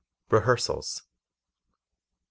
Rehearsals 6.